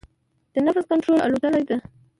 د نفس کنټرول اتلولۍ ده.